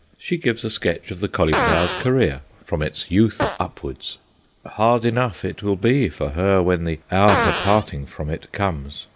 She gives a sketch of the cauliflower's career, from its youth upwards. Hard enough it will be for her when the hour for parting from it comes.